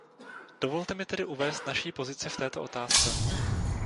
Dovolte mi tedy uvést naší pozici v této otázce.